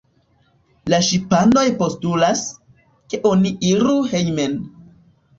La ŝipanoj postulas, ke oni iru hejmen.